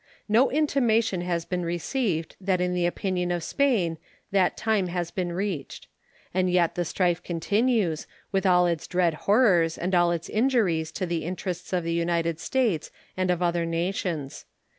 No intimation has been received that in the opinion of Spain that time has been reached. And yet the strife continues, with all its dread horrors and all its injuries to the interests of the United States and of other nations.